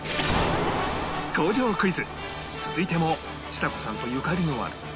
工場クイズ続いてもちさ子さんとゆかりのあるこの大物が登場